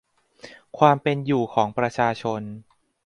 ความเป็นอยู่ของประชาชน